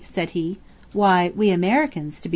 said he. "Why, we Americans, to be sure."